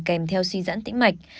kèm theo suy dãn tĩnh mạch